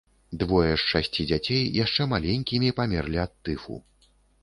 Двое з шасці дзяцей яшчэ маленькімі памерлі ад тыфу.